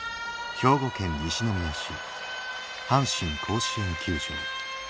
兵庫県西宮市阪神甲子園球場。